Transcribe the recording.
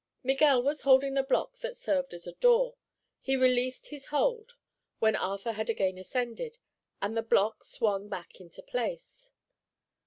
Miguel was holding the block that served as a door. He released his hold, when Arthur had again ascended, and the block swung back into place.